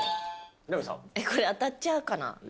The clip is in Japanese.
これ、当たっちゃうかな。